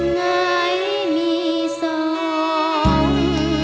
ไงมีสองใจ